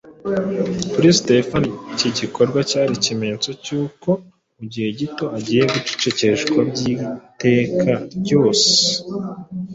Kuri Sitefano, iki gikorwa cyari ikimenyetso cy’uko mu gihe gito agiye gucecekeshwa by’iteka ryose.